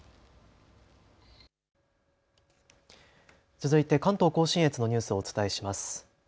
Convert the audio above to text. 続いて関東甲信越のニュースをお伝えします。